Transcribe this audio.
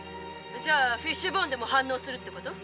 「じゃあフイッシュボーンでも反応するってこと？」。